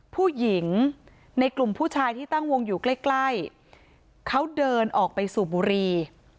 ผู้หญิงในกลุ่มผู้ชายที่ตั้งวงอยู่ใกล้ใกล้เขาเดินออกไปสูบบุรี